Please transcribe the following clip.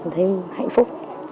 thấy hạnh phúc